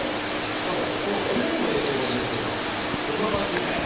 何か骨にも影響が出そうなそんな感じですよね。